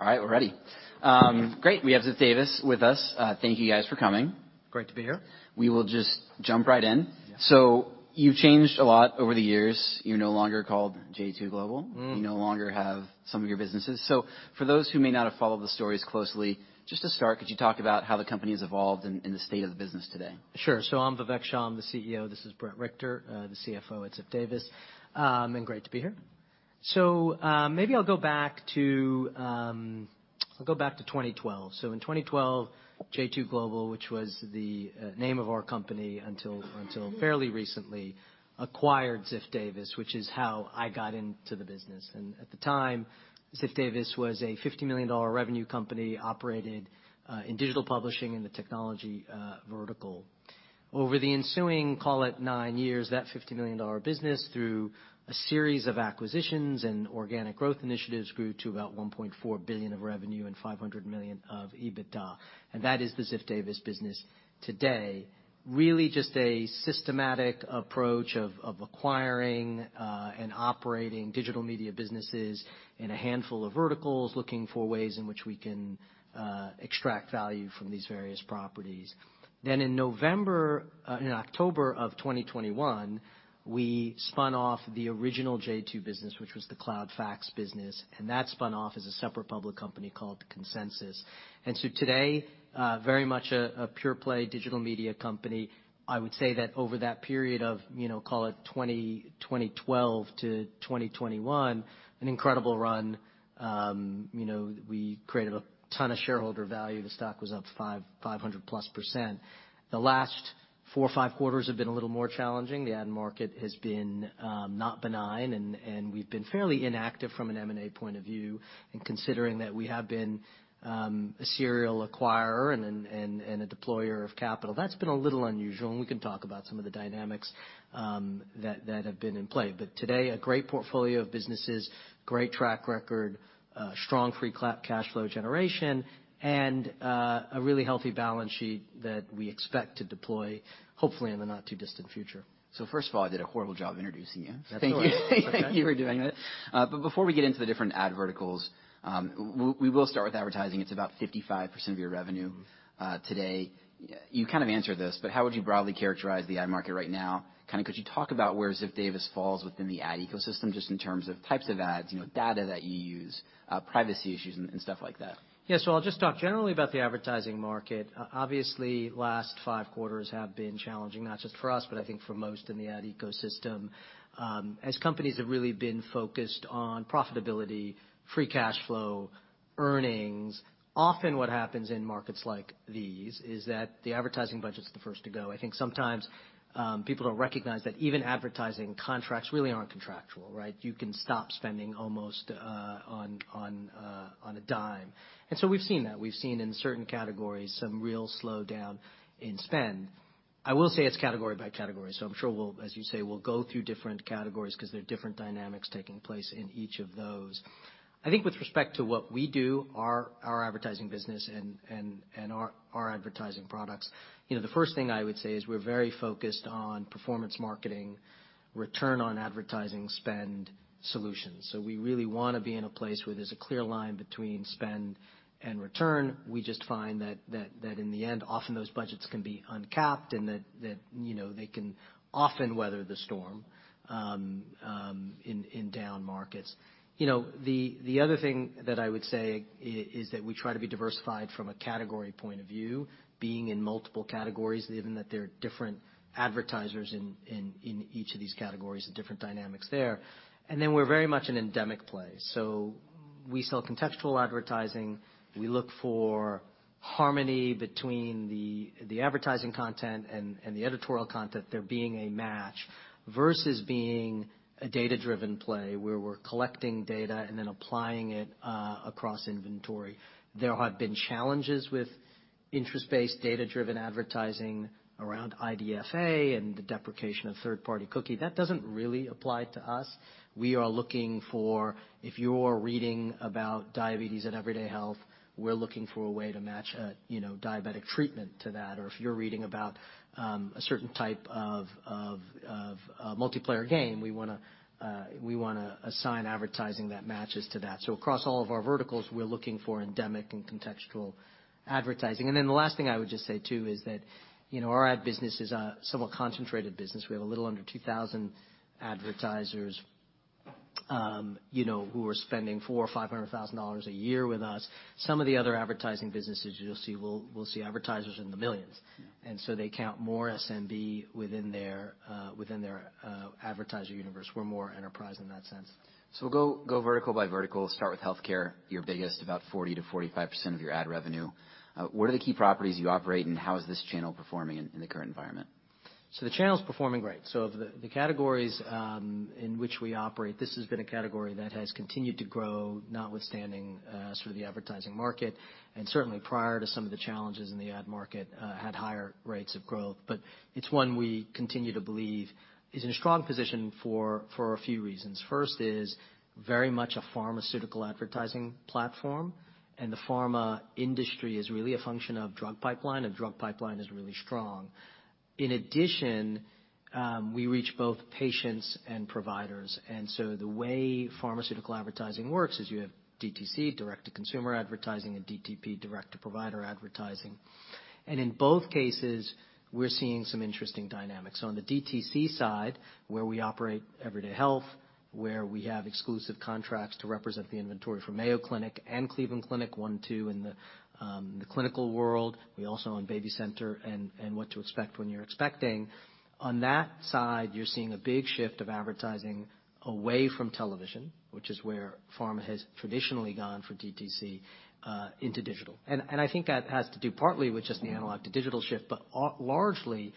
All right, we're ready. Great, we have Ziff Davis with us. Thank you guys for coming. Great to be here. We will just jump right in. Yeah. You've changed a lot over the years. You're no longer called j2 Global. Mm. You no longer have some of your businesses. For those who may not have followed the stories closely, just to start, could you talk about how the company has evolved and the state of the business today? Sure. I'm Vivek Shah. I'm the CEO. This is Bret Richter, the CFO at Ziff Davis. Great to be here. Maybe I'll go back to 2012. In 2012, j2 Global, which was the name of our company until fairly recently, acquired Ziff Davis, which is how I got into the business. At the time, Ziff Davis was a $50 million revenue company operated in digital publishing in the technology vertical. Over the ensuing, call it nine years, that $50 million business, through a series of acquisitions and organic growth initiatives, grew to about $1.4 billion of revenue and $500 million of EBITDA. That is the Ziff Davis business today. Really just a systematic approach of acquiring and operating digital media businesses in a handful of verticals, looking for ways in which we can extract value from these various properties. In October 2021, we spun off the original j2 business, which was the Cloud Fax business, and that spun off as a separate public company called Consensus. Today, very much a pure play digital media company. I would say that over that period of, you know, call it 2012 to 2021, an incredible run. you know, we created a ton of shareholder value. The stock was up 500+%. The last four or five quarters have been a little more challenging. The ad market has been not benign, and we've been fairly inactive from an M&A point of view. Considering that we have been a serial acquirer and a deployer of capital, that's been a little unusual, and we can talk about some of the dynamics that have been in play. Today, a great portfolio of businesses, great track record, strong free cash flow generation, and a really healthy balance sheet that we expect to deploy hopefully in the not too distant future. First of all, I did a horrible job introducing you. That's all right. Thank you. That's okay. Thank you for doing that. Before we get into the different ad verticals, we will start with advertising. It's about 55% of your revenue today. You kind of answered this, but how would you broadly characterize the ad market right now? Kinda could you talk about where Ziff Davis falls within the ad ecosystem, just in terms of types of ads, you know, data that you use, privacy issues and stuff like that? Yeah. I'll just talk generally about the advertising market. Obviously, last five quarters have been challenging, not just for us, but I think for most in the ad ecosystem. As companies have really been focused on profitability, free cash flow, earnings, often what happens in markets like these is that the advertising budget's the first to go. I think sometimes, people don't recognize that even advertising contracts really aren't contractual, right? You can stop spending almost on a dime. We've seen that. We've seen in certain categories some real slowdown in spend. I will say it's category by category, so I'm sure we'll, as you say, we'll go through different categories 'cause there are different dynamics taking place in each of those. I think with respect to what we do, our advertising business and our advertising products, you know, the first thing I would say is we're very focused on performance marketing, return on advertising spend solutions. We really wanna be in a place where there's a clear line between spend and return. We just find that in the end, often those budgets can be uncapped and that, you know, they can often weather the storm in down markets. You know, the other thing that I would say is that we try to be diversified from a category point of view, being in multiple categories, given that there are different advertisers in each of these categories and different dynamics there. Then we're very much an endemic play. We sell contextual advertising. We look for harmony between the advertising content and the editorial content, there being a match, versus being a data-driven play, where we're collecting data and then applying it across inventory. There have been challenges with interest-based, data-driven advertising around IDFA and the deprecation of third-party cookie. That doesn't really apply to us. We are looking for, if you're reading about diabetes at Everyday Health, we're looking for a way to match a, you know, diabetic treatment to that. Or if you're reading about a certain type of a multiplayer game, we wanna assign advertising that matches to that. Across all of our verticals, we're looking for endemic and contextual advertising. The last thing I would just say too is that, you know, our ad business is a somewhat concentrated business. We have a little under 2,000 advertisers, you know, who are spending $400,000 or $500,000 a year with us. Some of the other advertising businesses you'll see will see advertisers in the millions. Mm-hmm. They count more SMB within their advertiser universe. We're more enterprise in that sense. We'll go vertical by vertical. Start with healthcare, your biggest, about 40% to 45% of your ad revenue. What are the key properties you operate, and how is this channel performing in the current environment? The channel's performing great. The categories in which we operate, this has been a category that has continued to grow, notwithstanding sort of the advertising market, and certainly prior to some of the challenges in the ad market, had higher rates of growth. It's one we continue to believe is in a strong position for a few reasons. First is very much a pharmaceutical advertising platform, and the pharma industry is really a function of drug pipeline, and drug pipeline is really strong. In addition, we reach both patients and providers. The way pharmaceutical advertising works is you have DTC, direct-to-consumer advertising, and DTP, direct-to-provider advertising. In both cases, we're seeing some interesting dynamics. On the DTC side, where we operate Everyday Health, where we have exclusive contracts to represent the inventory for Mayo Clinic and Cleveland Clinic, one, two, in the clinical world. We also own BabyCenter and What to Expect When You're Expecting. On that side, you're seeing a big shift of advertising away from television, which is where pharma has traditionally gone for DTC, into digital. I think that has to do partly with just the analog to digital shift, but largely,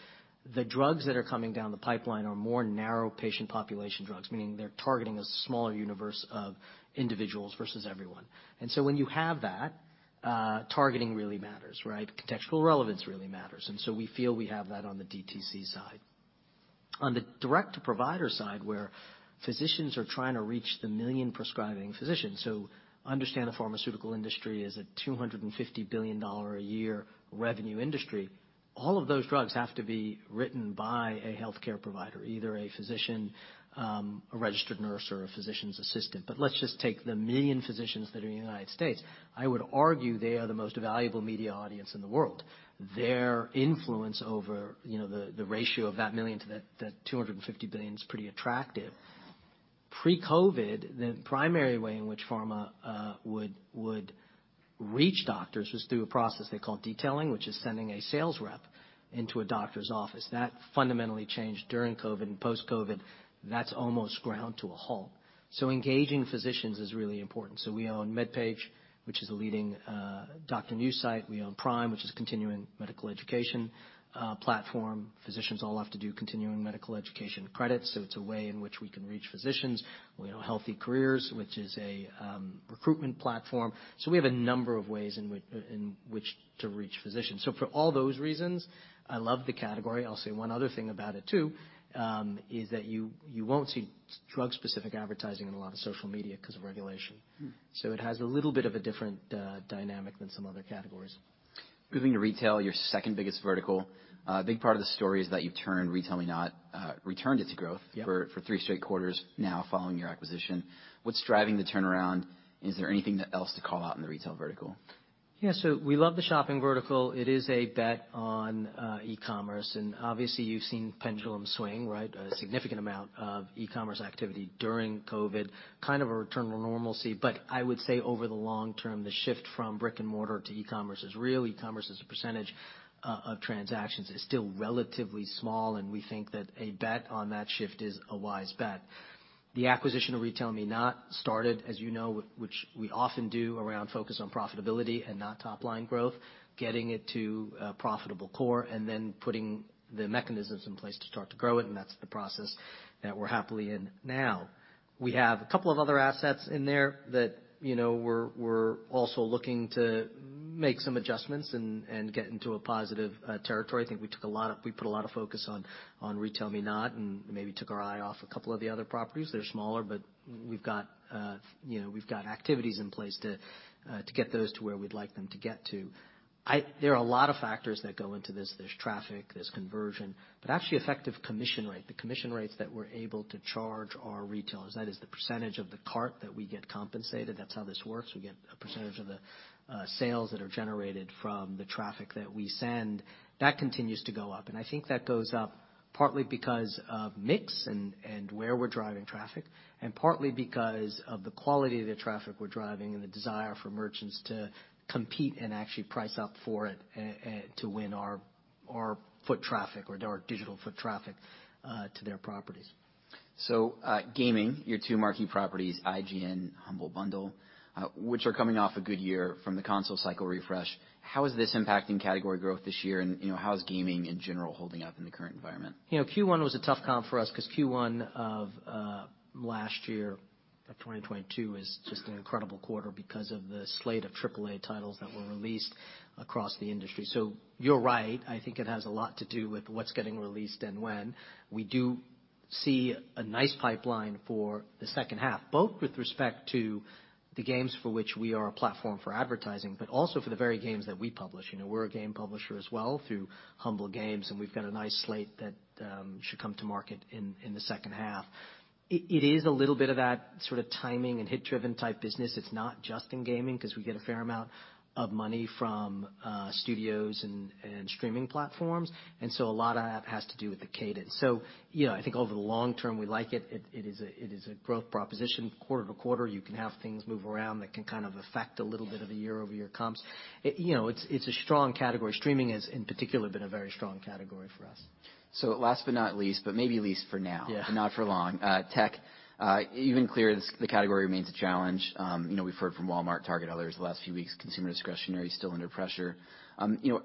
the drugs that are coming down the pipeline are more narrow patient population drugs, meaning they're targeting a smaller universe of individuals versus everyone. When you have that, targeting really matters, right? Contextual relevance really matters. We feel we have that on the DTC side. On the direct-to-provider side, where physicians are trying to reach the 1 million prescribing physicians. Understand the pharmaceutical industry is a $250 billion a year revenue industry. All of those drugs have to be written by a healthcare provider, either a physician, a registered nurse, or a physician's assistant. Let's just take the 1 million physicians that are in the United States. I would argue they are the most valuable media audience in the world. Their influence over, you know, the ratio of that 1 million to that $250 billion is pretty attractive. Pre-COVID, the primary way in which pharma would reach doctors was through a process they call detailing, which is sending a sales rep into a doctor's office. That fundamentally changed during COVID and post-COVID. That's almost ground to a halt. Engaging physicians is really important. We own MedPage, which is a leading doctor news site. We own PRIME, which is continuing medical education platform. Physicians all have to do continuing medical education credits, it's a way in which we can reach physicians. We own HealthECareers, which is a recruitment platform. We have a number of ways in which to reach physicians. For all those reasons, I love the category. I'll say one other thing about it too, is that you won't see drug-specific advertising in a lot of social media 'cause of regulation. Mm. it has a little bit of a different dynamic than some other categories. Moving to retail, your second biggest vertical. A big part of the story is that you've turned RetailMeNot, returned it to growth. Yeah. for three straight quarters now following your acquisition. What's driving the turnaround? Is there anything else to call out in the retail vertical? We love the shopping vertical. It is a bet on e-commerce, and obviously you've seen pendulum swing, right? A significant amount of e-commerce activity during COVID, kind of a return to normalcy. I would say over the long term, the shift from brick and mortar to e-commerce is real. E-commerce as a percentage of transactions is still relatively small, and we think that a bet on that shift is a wise bet. The acquisition of RetailMeNot started, as you know, which we often do, around focus on profitability and not top-line growth, getting it to a profitable core, and then putting the mechanisms in place to start to grow it, and that's the process that we're happily in now. We have a couple of other assets in there that, you know, we're also looking to make some adjustments and get into a positive territory. I think we put a lot of focus on RetailMeNot and maybe took our eye off a couple of the other properties. They're smaller, but we've got, you know, we've got activities in place to get those to where we'd like them to get to. There are a lot of factors that go into this. There's traffic, there's conversion, but actually effective commission rate, the commission rates that we're able to charge our retailers, that is the percentage of the cart that we get compensated. That's how this works. We get a percentage of the sales that are generated from the traffic that we send. That continues to go up, and I think that goes up partly because of mix and where we're driving traffic, and partly because of the quality of the traffic we're driving and the desire for merchants to compete and actually price up for it to win our foot traffic or our digital foot traffic to their properties. gaming, your two marquee properties, IGN, Humble Bundle, which are coming off a good year from the console cycle refresh. How is this impacting category growth this year? you know, how is gaming in general holding up in the current environment? You know, Q1 was a tough comp for us 'cause Q1 of last year, of 2022, was just an incredible quarter because of the slate of AAA titles that were released across the industry. You're right, I think it has a lot to do with what's getting released and when. We do see a nice pipeline for the second half, both with respect to the games for which we are a platform for advertising, but also for the very games that we publish. You know, we're a game publisher as well through Humble Games, and we've got a nice slate that should come to market in the second half. It is a little bit of that sort of timing and hit-driven type business. It's not just in gaming, 'cause we get a fair amount of money from studios and streaming platforms, and so a lot of that has to do with the cadence. You know, I think over the long term, we like it. It is a growth proposition. Quarter to quarter, you can have things move around that can kind of affect a little bit of the year-over-year comps. You know, it's a strong category. Streaming has, in particular, been a very strong category for us. Last but not least, but maybe least for now-. Yeah. Not for long. Tech, even clear, the category remains a challenge. You know, we've heard from Walmart, Target, others the last few weeks, consumer discretionary still under pressure. You know,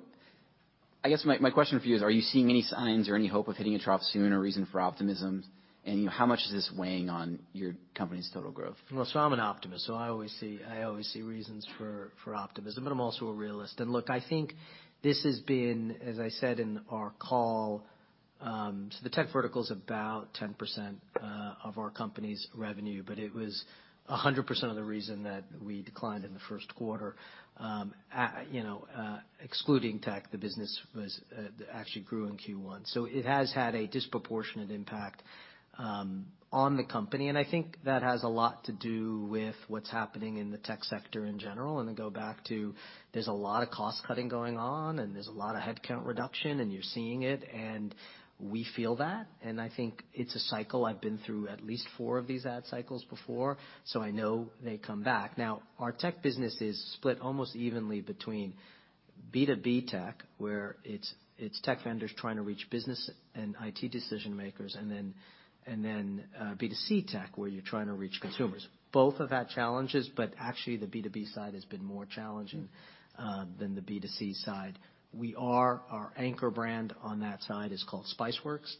I guess my question for you is, are you seeing any signs or any hope of hitting a trough soon or reason for optimism? You know, how much is this weighing on your company's total growth? I'm an optimist, I always see reasons for optimism, but I'm also a realist. Look, I think this has been, as I said in our call, the tech vertical's about 10% of our company's revenue, but it was 100% of the reason that we declined in the first quarter. You know, excluding tech, the business was actually grew in Q1. It has had a disproportionate impact on the company, and I think that has a lot to do with what's happening in the tech sector in general, and then go back to there's a lot of cost-cutting going on, and there's a lot of headcount reduction, and you're seeing it, and we feel that. I think it's a cycle I've been through at least four of these ad cycles before, so I know they come back. Our tech business is split almost evenly between B2B tech, where it's tech vendors trying to reach business and IT decision-makers, and then B2C tech, where you're trying to reach consumers. Both have had challenges, actually, the B2B side has been more challenging than the B2C side. Our anchor brand on that side is called Spiceworks.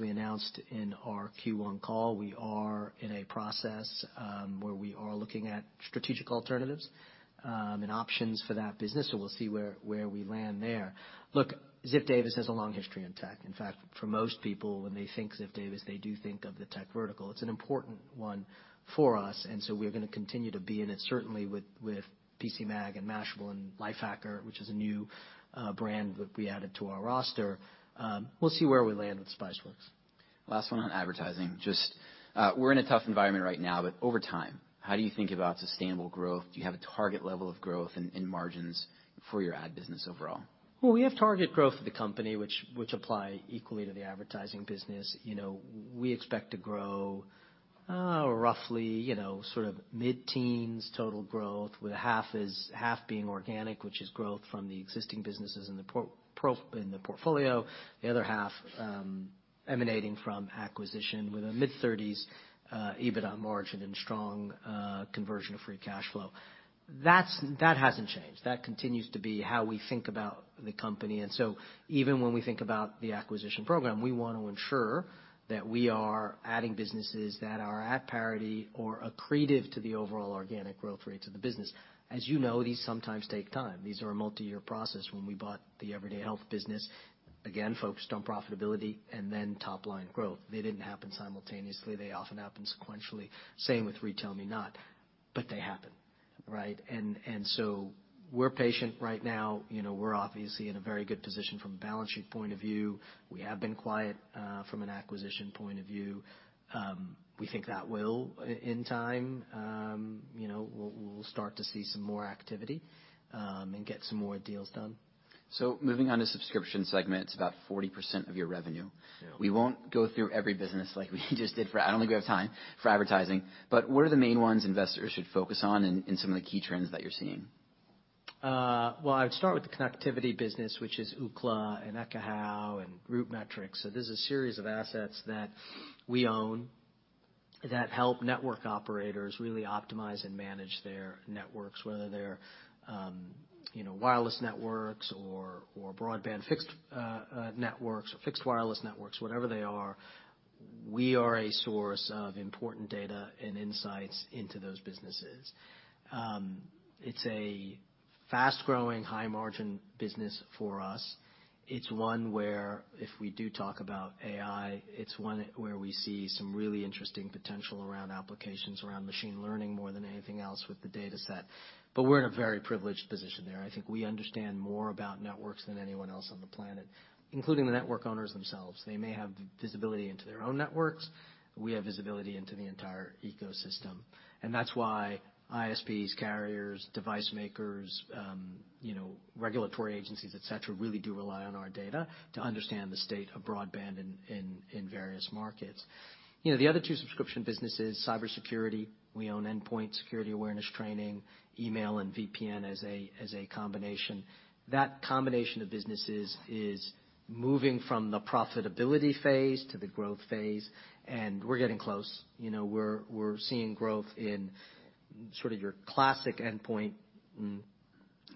We announced in our Q1 call, we are in a process, where we are looking at strategic alternatives and options for that business, so we'll see where we land there. Ziff Davis has a long history in tech. For most people, when they think Ziff Davis, they do think of the tech vertical. It's an important one for us, and so we're gonna continue to be in it, certainly with PCMag and Mashable and Lifehacker, which is a new brand that we added to our roster. We'll see where we land with Spiceworks. Last one on advertising. Just, we're in a tough environment right now. Over time, how do you think about sustainable growth? Do you have a target level of growth and margins for your ad business overall? We have target growth for the company which apply equally to the advertising business. You know, we expect to grow, roughly, you know, sort of mid-teens total growth, with half being organic, which is growth from the existing businesses in the portfolio, the other half emanating from acquisition with a mid-30s EBITDA margin and strong conversion of free cash flow. That hasn't changed. That continues to be how we think about the company. Even when we think about the acquisition program, we want to ensure that we are adding businesses that are at parity or accretive to the overall organic growth rates of the business. As you know, these sometimes take time. These are a multi-year process. When we bought the Everyday Health business, again, focused on profitability and then top-line growth. They didn't happen simultaneously, they often happen sequentially, same with RetailMeNot. They happen, right? We're patient right now. You know, we're obviously in a very good position from a balance sheet point of view. We have been quiet from an acquisition point of view. We think that will in time, you know, we'll start to see some more activity and get some more deals done. Moving on to subscription segment, it's about 40% of your revenue. Yeah. We won't go through every business like we just did for. I don't think we have time for advertising. What are the main ones investors should focus on and some of the key trends that you're seeing? Well, I'd start with the connectivity business, which is Ookla and Ekahau and RootMetrics. This is a series of assets that we own that help network operators really optimize and manage their networks, whether they're, you know, wireless networks or broadband fixed networks or fixed wireless networks, whatever they are, we are a source of important data and insights into those businesses. It's a fast-growing, high-margin business for us. It's one where if we do talk about AI, it's one where we see some really interesting potential around applications, around machine learning more than anything else with the data set. We're in a very privileged position there. I think we understand more about networks than anyone else on the planet, including the network owners themselves. They may have visibility into their own networks. We have visibility into the entire ecosystem. That's why ISPs, carriers, device makers, you know, regulatory agencies, et cetera, really do rely on our data to understand the state of broadband in various markets. You know, the other two subscription businesses, cybersecurity. We own endpoint security awareness training, email and VPN as a combination. That combination of businesses is moving from the profitability phase to the growth phase, and we're getting close. You know, we're seeing growth in sort of your classic endpoint,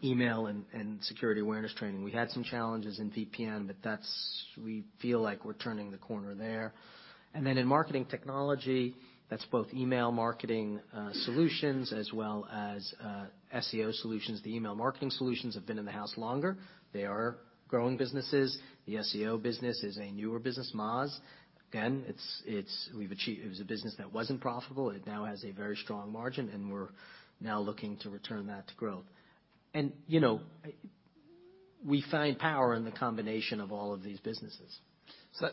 email and security awareness training. We had some challenges in VPN, but we feel like we're turning the corner there. Then in marketing technology, that's both email marketing solutions as well as SEO solutions. The email marketing solutions have been in the house longer. They are growing businesses. The SEO business is a newer business, Moz. Again, it's, we've achieved... It was a business that wasn't profitable. It now has a very strong margin, and we're now looking to return that to growth. You know, we find power in the combination of all of these businesses.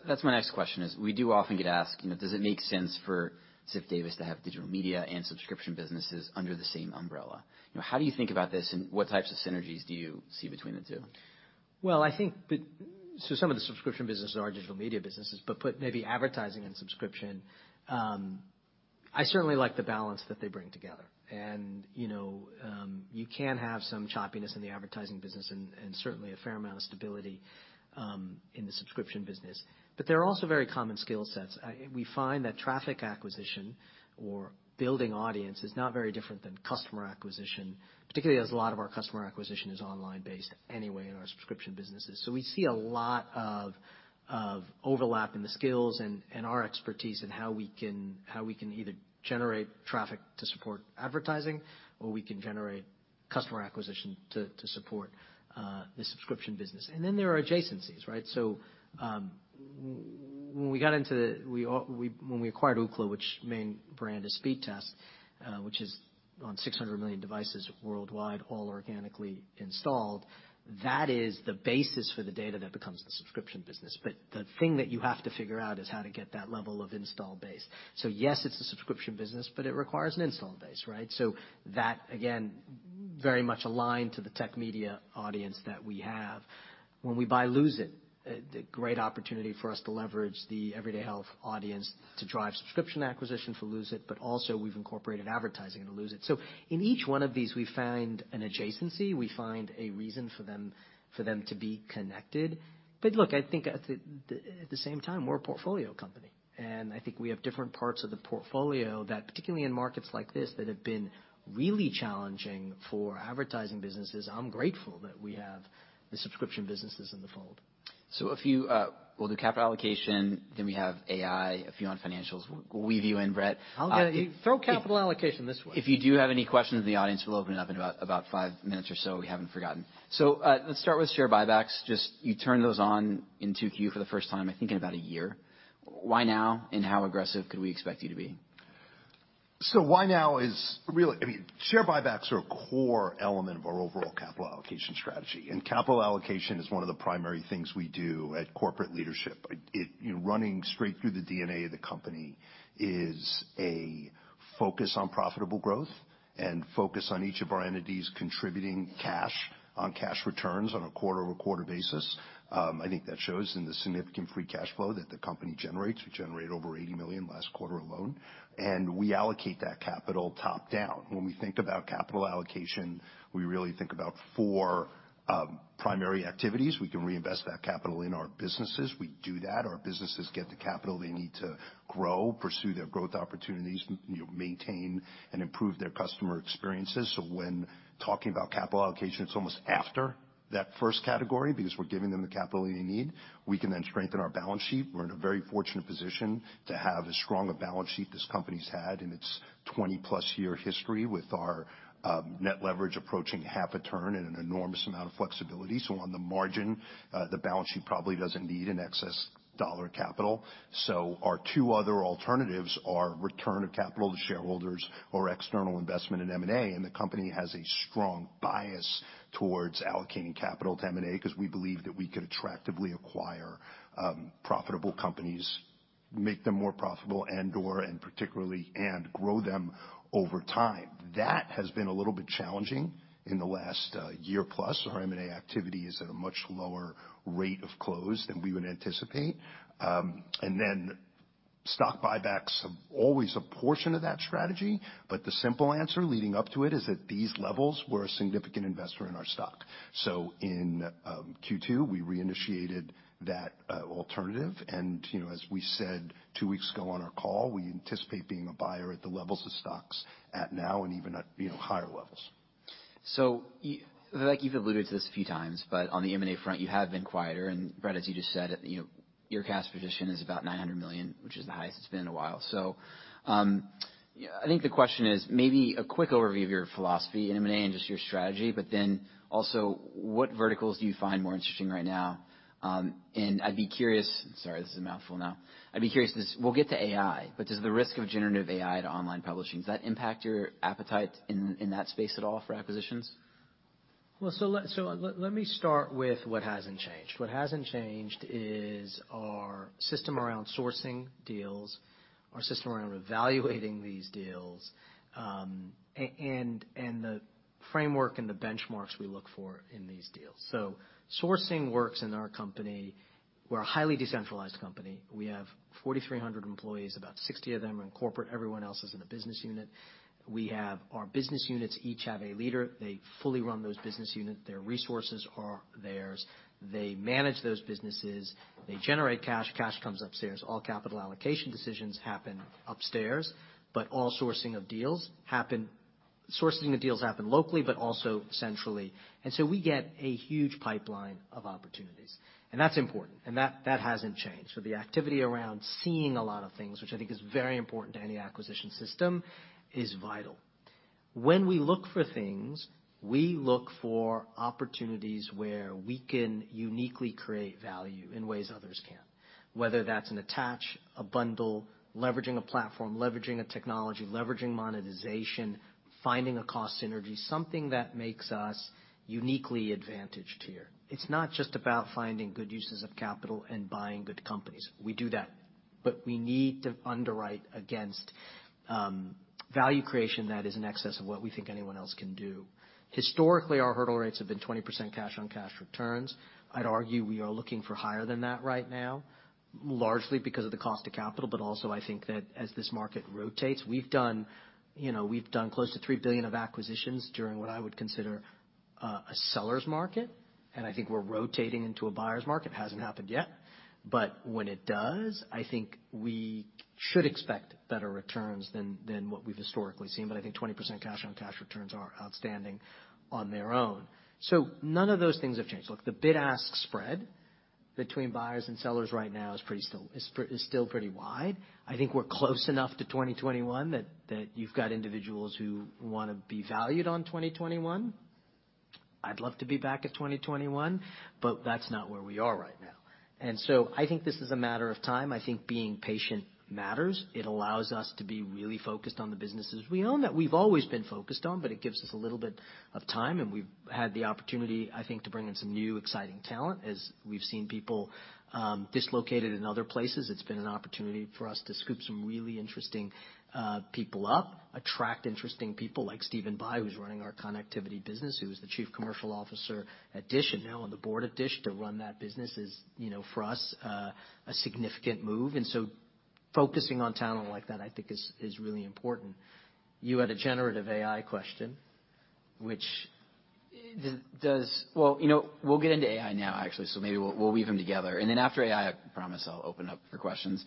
That's my next question is, we do often get asked, you know, does it make sense for Ziff Davis to have digital media and subscription businesses under the same umbrella? You know, how do you think about this, and what types of synergies do you see between the two? Well, I think some of the subscription businesses are digital media businesses, but put maybe advertising and subscription, I certainly like the balance that they bring together. You know, you can have some choppiness in the advertising business and certainly a fair amount of stability in the subscription business. There are also very common skill sets. We find that traffic acquisition or building audience is not very different than customer acquisition, particularly as a lot of our customer acquisition is online-based anyway in our subscription businesses. We see a lot of overlap in the skills and our expertise in how we can either generate traffic to support advertising or we can generate customer acquisition to support the subscription business. There are adjacencies, right? When we acquired Ookla, which main brand is Speedtest, which is on 600 million devices worldwide, all organically installed. That is the basis for the data that becomes the subscription business. The thing that you have to figure out is how to get that level of install base. Yes, it's a subscription business, but it requires an install base, right? That, again, very much aligned to the tech media audience that we have. When we buy Lose It!, the great opportunity for us to leverage the Everyday Health audience to drive subscription acquisition for Lose It!, but also we've incorporated advertising into Lose It!. In each one of these, we find an adjacency, we find a reason for them, for them to be connected. Look, I think at the same time, we're a portfolio company, and I think we have different parts of the portfolio that, particularly in markets like this, that have been really challenging for advertising businesses. I'm grateful that we have the subscription businesses in the fold. A few, we'll do capital allocation, then we have AI, a few on financials. We'll weave you in, Bret. I'll get it. Throw capital allocation this way. If you do have any questions in the audience, we'll open it up in about five minutes or so. We haven't forgotten. Let's start with share buybacks. Just you turn those on in 2Q for the first time, I think in about 1 year. Why now, and how aggressive could we expect you to be? Why now is really, I mean, share buybacks are a core element of our overall capital allocation strategy, and capital allocation is one of the primary things we do at corporate leadership. It running straight through the DNA of the company is a focus on profitable growth and focus on each of our entities contributing cash-on-cash returns on a quarter-over-quarter basis. I think that shows in the significant free cash flow that the company generates. We generated over $80 million last quarter alone. We allocate that capital top-down. When we think about capital allocation, we really think about four primary activities. We can reinvest that capital in our businesses. We do that. Our businesses get the capital they need to grow, pursue their growth opportunities, you know, maintain and improve their customer experiences. When talking about capital allocation, it's almost after that first category, because we're giving them the capital they need, we can then strengthen our balance sheet. We're in a very fortunate position to have as strong a balance sheet as company's had in its 20-plus year history with our net leverage approaching half a turn and an enormous amount of flexibility. On the margin, the balance sheet probably doesn't need an excess dollar capital. Our two other alternatives are return of capital to shareholders or external investment in M&A, and the company has a strong bias towards allocating capital to M&A because we believe that we could attractively acquire profitable companies, make them more profitable and/or, and particularly, and grow them over time. That has been a little bit challenging in the last year plus. Our M&A activity is at a much lower rate of close than we would anticipate. Then stock buybacks have always a portion of that strategy, but the simple answer leading up to it is at these levels, we're a significant investor in our stock. In Q2, we reinitiated that alternative. You know, as we said two weeks ago on our call, we anticipate being a buyer at the levels of stocks at now and even at, you know, higher levels. Like you've alluded to this a few times, but on the M&A front, you have been quieter. Bret, as you just said, you know, your cash position is about $900 million, which is the highest it's been in a while. Yeah, I think the question is maybe a quick overview of your philosophy in M&A and just your strategy, but then also what verticals do you find more interesting right now? And I'd be curious, sorry, this is a mouthful now. I'd be curious this. We'll get to AI, but does the risk of generative AI to online publishing, does that impact your appetite in that space at all for acquisitions? Let me start with what hasn't changed. What hasn't changed is our system around sourcing deals, our system around evaluating these deals, and the framework and the benchmarks we look for in these deals. Sourcing works in our company. We're a highly decentralized company. We have 4,300 employees, about 60 of them are in corporate, everyone else is in a business unit. We have our business units each have a leader. They fully run those business unit. Their resources are theirs. They manage those businesses. They generate cash. Cash comes upstairs. All capital allocation decisions happen upstairs, all sourcing of deals happen locally but also centrally. We get a huge pipeline of opportunities. That's important. That hasn't changed. The activity around seeing a lot of things, which I think is very important to any acquisition system, is vital. We look for things, we look for opportunities where we can uniquely create value in ways others can't. Whether that's an attach, a bundle, leveraging a platform, leveraging a technology, leveraging monetization, finding a cost synergy, something that makes us uniquely advantaged here. It's not just about finding good uses of capital and buying good companies. We do that. We need to underwrite against value creation that is in excess of what we think anyone else can do. Historically, our hurdle rates have been 20% cash-on-cash returns. I'd argue we are looking for higher than that right now, largely because of the cost of capital, but also I think that as this market rotates, we've done, you know, we've done close to $3 billion of acquisitions during what I would consider, a seller's market, and I think we're rotating into a buyer's market. Hasn't happened yet. When it does, I think we should expect better returns than what we've historically seen, but I think 20% cash-on-cash returns are outstanding on their own. None of those things have changed. Look, the bid-ask spread between buyers and sellers right now is still pretty wide. I think we're close enough to 2021 that you've got individuals who wanna be valued on 2021. I'd love to be back at 2021, but that's not where we are right now. I think this is a matter of time. I think being patient matters. It allows us to be really focused on the businesses we own, that we've always been focused on, but it gives us a little bit of time, and we've had the opportunity, I think, to bring in some new exciting talent. As we've seen people dislocated in other places, it's been an opportunity for us to scoop some really interesting people up, attract interesting people like Stephen Bye, who's running our connectivity business, who was the Chief Commercial Officer at DISH and now on the board at DISH to run that business is, you know, for us, a significant move. Focusing on talent like that, I think is really important. You had a generative AI question, which does... Well, you know, we'll get into AI now, actually, maybe we'll weave them together. After AI, I promise I'll open up for questions.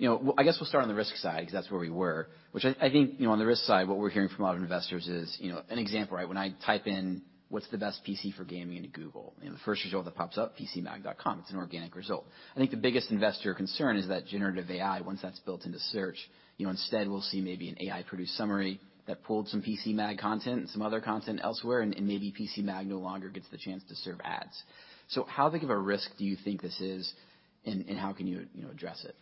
You know, I guess we'll start on the risk side because that's where we were, which I think, you know, on the risk side, what we're hearing from a lot of investors is, you know, an example, right? When I type in what's the best PC for gaming into Google, you know, the first result that pops up, PCMag.com. It's an organic result. I think the biggest investor concern is that generative AI, once that's built into search, you know, instead we'll see maybe an AI-produced summary that pulled some PCMag content and some other content elsewhere, and maybe PCMag no longer gets the chance to serve ads. how big of a risk do you think this is, and how can you know, address it?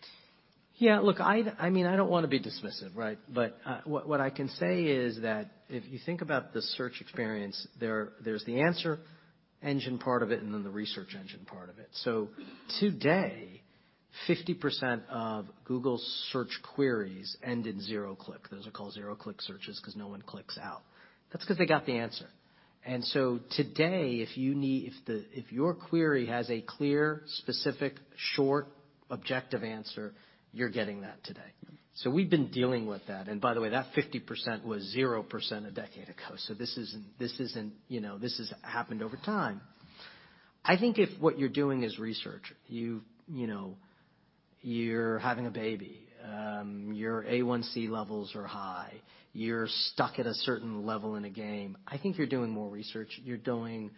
Look, I mean, I don't want to be dismissive, right? What I can say is that if you think about the search experience, there's the answer engine part of it and then the research engine part of it. Today, 50% of Google Search queries end in zero-click. Those are called zero-click searches 'cause no one clicks out. That's 'cause they got the answer. Today, if the, if your query has a clear, specific, short, objective answer, you're getting that today. We've been dealing with that. By the way, that 50% was 0% a decade ago. This isn't, you know, this has happened over time. I think if what you're doing is research, you know, you're having a baby, your A1C levels are high, you're stuck at a certain level in a game, I think you're doing more research, you're going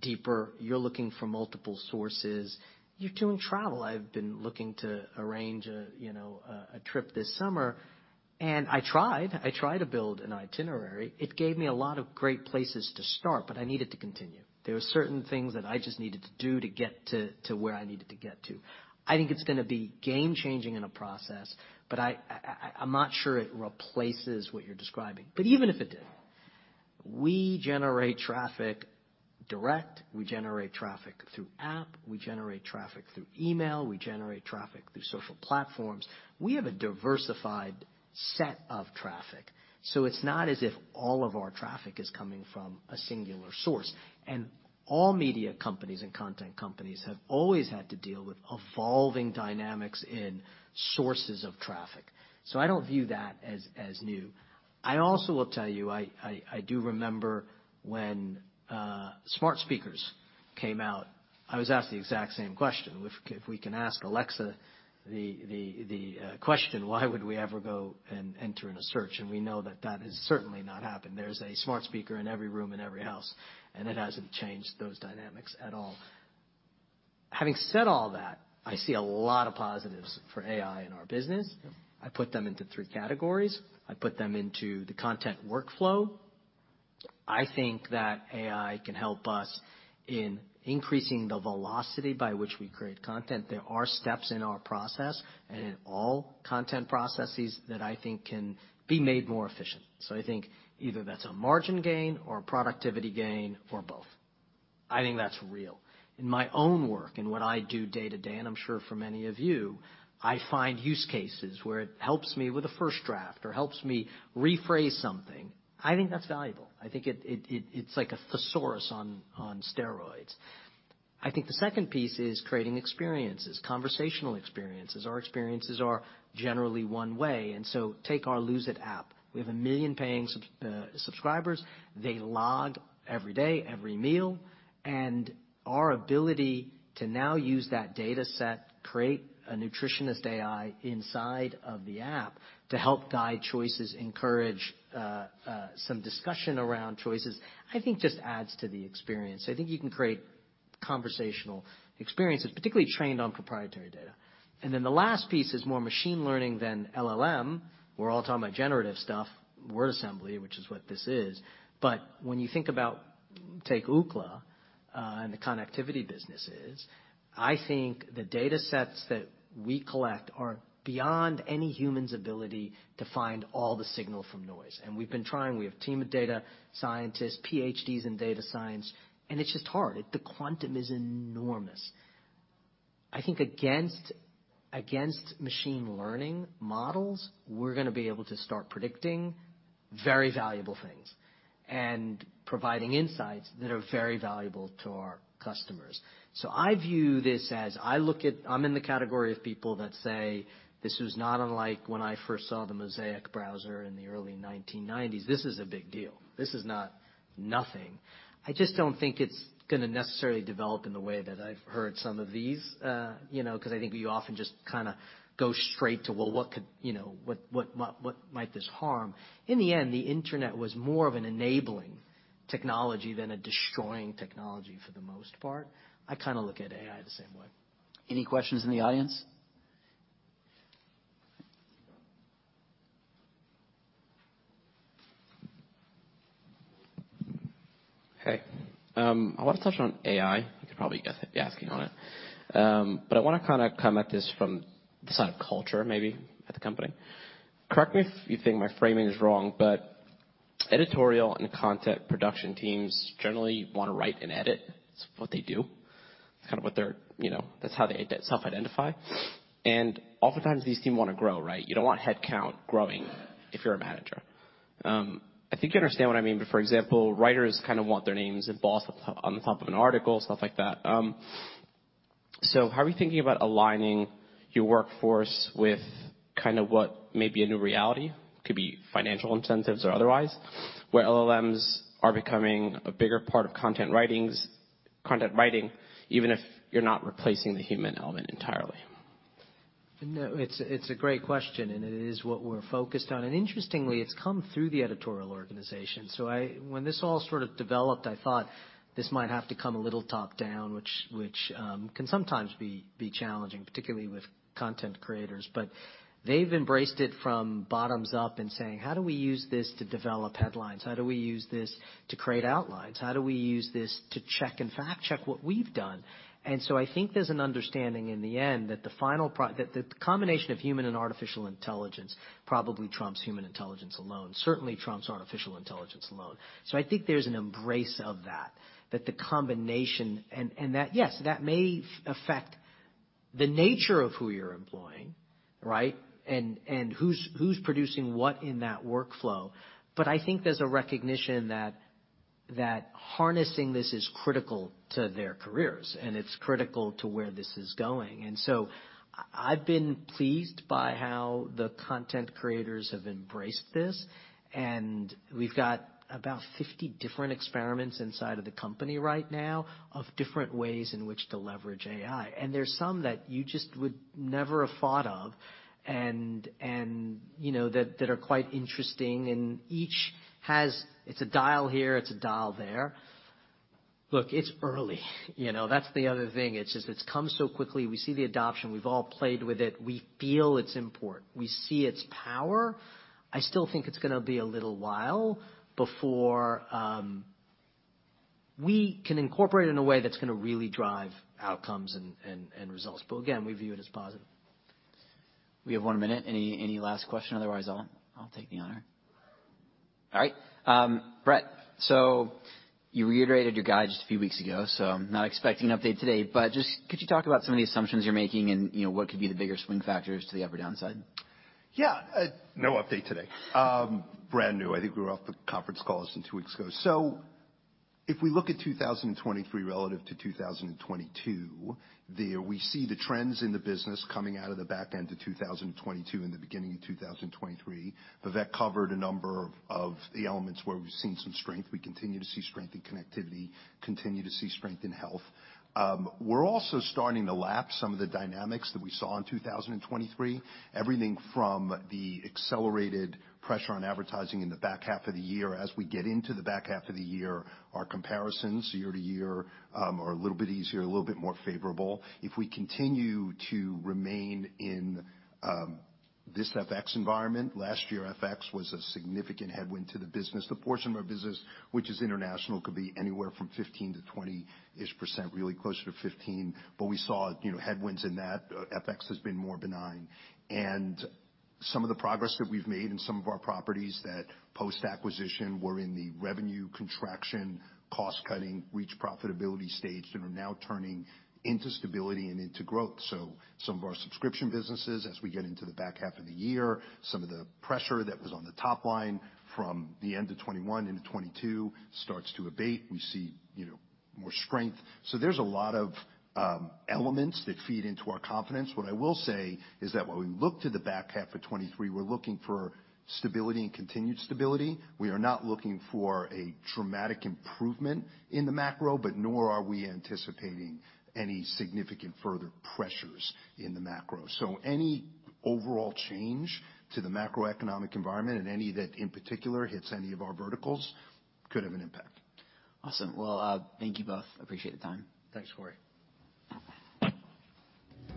deeper, you're looking for multiple sources, you're doing travel. I've been looking to arrange you know, a trip this summer. I tried. I tried to build an itinerary. It gave me a lot of great places to start. I needed to continue. There were certain things that I just needed to do to get to where I needed to get to. I think it's gonna be game-changing in a process. I'm not sure it replaces what you're describing. Even if it did, we generate traffic direct, we generate traffic through app, we generate traffic through email, we generate traffic through social platforms. We have a diversified set of traffic, so it's not as if all of our traffic is coming from a singular source. All media companies and content companies have always had to deal with evolving dynamics in sources of traffic. I don't view that as new. I also will tell you, I do remember when smart speakers came out. I was asked the exact same question. If we can ask Alexa the question, why would we ever go and enter in a search? We know that that has certainly not happened. There's a smart speaker in every room in every house, and it hasn't changed those dynamics at all. Having said all that, I see a lot of positives for AI in our business. Yeah. I put them into three categories. I put them into the content workflow. I think that AI can help us in increasing the velocity by which we create content. There are steps in our process and in all content processes that I think can be made more efficient. I think either that's a margin gain or a productivity gain or both. I think that's real. In my own work and what I do day-to-day, and I'm sure for many of you, I find use cases where it helps me with a first draft or helps me rephrase something. I think that's valuable. I think it's like a thesaurus on steroids. I think the second piece is creating experiences, conversational experiences. Our experiences are generally one-way. Take our Lose It! app. We have 1 million paying subscribers. They log every day, every meal, and our ability to now use that data set, create a nutritionist AI inside of the app to help guide choices, encourage, some discussion around choices, I think just adds to the experience. I think you can create conversational experiences, particularly trained on proprietary data. The last piece is more machine learning than LLM. We're all talking about generative stuff, word assembly, which is what this is. When you think about, take Ookla, and the connectivity businesses, I think the data sets that we collect are beyond any human's ability to find all the signal from noise. We've been trying. We have a team of data scientists, PhDs in data science, and it's just hard. The quantum is enormous. I think against machine learning models, we're gonna be able to start predicting very valuable things and providing insights that are very valuable to our customers. I view this as I look at. I'm in the category of people that say, this was not unlike when I first saw the Mosaic browser in the early 1990s. This is a big deal. This is not nothing. I just don't think it's gonna necessarily develop in the way that I've heard some of these, you know, 'cause I think we often just kinda go straight to, well, what could. You know, what might this harm? In the end, the Internet was more of an enabling technology than a destroying technology for the most part. I kinda look at AI the same way. Any questions in the audience? Hey, I want to touch on AI. You could probably guess asking on it. I want to kind of come at this from the side of culture, maybe at the company. Correct me if you think my framing is wrong, but editorial and content production teams generally want to write and edit. It's what they do. It's kind of what they're, you know, that's how they self-identify. Oftentimes these team wanna grow, right? You don't want headcount growing if you're a manager. I think you understand what I mean, but for example, writers kind of want their names embossed up on the top of an article, stuff like that. How are you thinking about aligning your workforce with kind of what may be a new reality? Could be financial incentives or otherwise, where LLMs are becoming a bigger part of content writing, even if you're not replacing the human element entirely. It's, it's a great question, and it is what we're focused on. Interestingly, it's come through the editorial organization. When this all sort of developed, I thought this might have to come a little top-down, which can sometimes be challenging, particularly with content creators. They've embraced it from bottoms up and saying, "How do we use this to develop headlines? How do we use this to create outlines? How do we use this to check and fact check what we've done?" I think there's an understanding in the end that the combination of human and artificial intelligence probably trumps human intelligence alone, certainly trumps artificial intelligence alone. I think there's an embrace of that the combination and that. Yes, that may affect the nature of who you're employing, right? Who's producing what in that workflow. I think there's a recognition that harnessing this is critical to their careers, and it's critical to where this is going. I've been pleased by how the content creators have embraced this. We've got about 50 different experiments inside of the company right now of different ways in which to leverage AI. There's some that you just would never have thought of and, you know, that are quite interesting. Each has. It's a dial here, it's a dial there. Look, it's early. You know, that's the other thing. It's just, it's come so quickly. We see the adoption. We've all played with it. We feel its import. We see its power. I still think it's gonna be a little while before, we can incorporate in a way that's gonna really drive outcomes and results. Again, we view it as positive. We have one minute. Any last question? Otherwise, I'll take the honor. All right. Bret, you reiterated your guide just a few weeks ago, I'm not expecting an update today. Just could you talk about some of the assumptions you're making and, you know, what could be the bigger swing factors to the upper downside? Yeah. No update today. Brand new. I think we were off the conference call since two weeks ago. If we look at 2023 relative to 2022, there we see the trends in the business coming out of the back end to 2022 and the beginning of 2023. Vivek covered a number of the elements where we've seen some strength. We continue to see strength in connectivity, continue to see strength in health. We're also starting to lap some of the dynamics that we saw in 2023, everything from the accelerated pressure on advertising in the back half of the year. As we get into the back half of the year, our comparisons year-to-year are a little bit easier, a little bit more favorable. If we continue to remain in this FX environment, last year FX was a significant headwind to the business. The portion of our business, which is international, could be anywhere from 15% to 20%ish, really closer to 15. We saw, you know, headwinds in that. FX has been more benign. Some of the progress that we've made in some of our properties that post-acquisition were in the revenue contraction, cost-cutting, reach profitability stage and are now turning into stability and into growth. Some of our subscription businesses as we get into the back half of the year, some of the pressure that was on the top line from the end of 2021 into 2022 starts to abate. We see, you know, more strength. There's a lot of elements that feed into our confidence. What I will say is that when we look to the back half of 2023, we're looking for stability and continued stability. We are not looking for a dramatic improvement in the macro, but nor are we anticipating any significant further pressures in the macro. Any overall change to the macroeconomic environment and any that in particular hits any of our verticals could have an impact. Awesome. Well, thank you both. Appreciate the time. Thanks, Corey.